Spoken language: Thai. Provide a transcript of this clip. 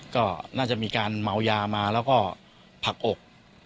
ก็น่าจะมีการเมายามาแล้วก็ผลักอก